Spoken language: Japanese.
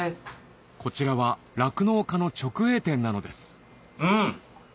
こちらは酪農家の直営店なのですうん！